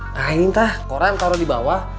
nah ini entah koran taruh di bawah